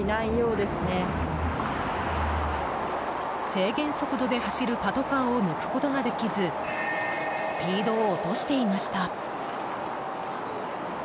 制限速度で走るパトカーを抜くことができずスピードを落としていました。